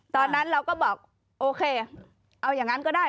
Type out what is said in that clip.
ตอนนั้นเราก็บอกโอเคเอาอย่างนั้นก็ได้